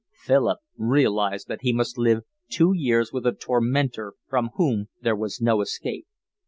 Philip realised that he must live two years with a tormentor from whom there was no escape.